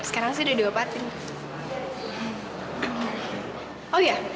gue tebak selalu bayar dia